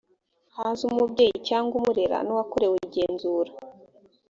haze umubyeyi cyangwa umurera n’uwakorewe igenzura